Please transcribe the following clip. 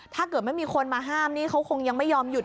ถ้าเกิดไม่มีคนมาห้ามนี่เขาคงยังไม่ยอมหยุด